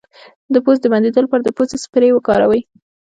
د پوزې د بندیدو لپاره د پوزې سپری وکاروئ